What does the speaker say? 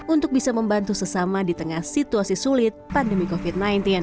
untuk bisa membantu sesama di tengah situasi sulit pandemi covid sembilan belas